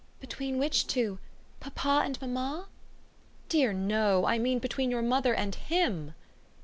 "Between which two? papa and mamma?" "Dear no. I mean between your mother and HIM."